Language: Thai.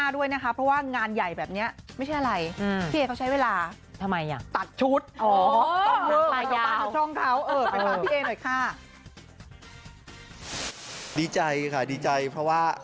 ดีใจค่ะดีใจเพราะว่า